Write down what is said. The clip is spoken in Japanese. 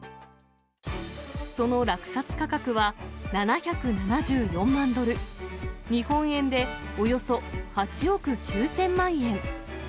その落札価格は７７４万ドル、日本円でおよそ８億９０００万円。